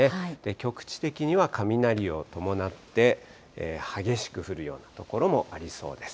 局地的には雷を伴って、激しく降るような所もありそうです。